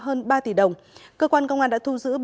hơn ba tỷ đồng cơ quan công an đã thu giữ